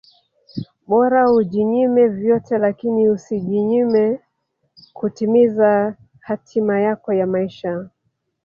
Bora ujinyime vyote lakini usijinyime kutimiza hatima yako ya maisha